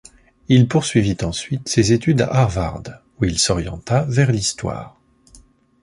Il poursuivit ensuite ses études à Harvard, où il s'orienta vers l'histoire.